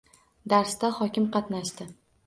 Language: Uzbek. Darsda hokim qatnashdi